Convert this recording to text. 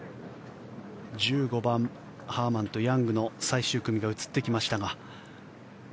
１５番、ハーマンとヤングの最終組が映ってきましたが。